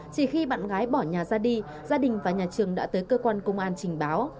chỉ khi bạn gái bỏ nhà ra đi gia đình và nhà trường đã tới cơ quan công an trình báo